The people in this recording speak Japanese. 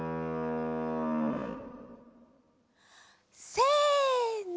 せの！